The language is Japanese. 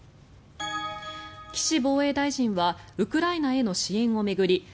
岸防衛大臣はウクライナへの支援を巡り